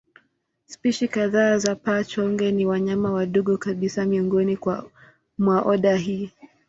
Spishi kadhaa za paa-chonge ni wanyama wadogo kabisa miongoni mwa oda hii.